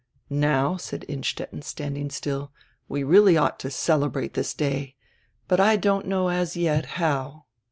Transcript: "Now," said Innstetten, standing still, "we really ought to celebrate diis day, but I don't know as yet how.